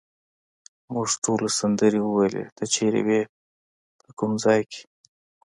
موږ ټولو سندرې وویلې، ته چیرې وې، په کوم ځای کې؟